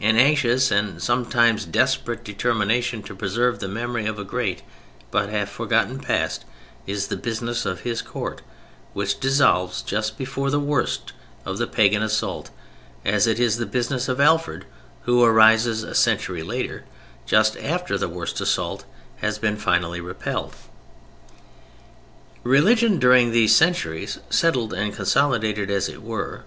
An anxious and sometimes desperate determination to preserve the memory of a great but half forgotten past is the business of his court, which dissolves just before the worst of the Pagan assault; as it is the business of Alfred, who arises a century later, just after the worst assault has been finally repelled. Religion during these centuries settled and consolidated, as it were.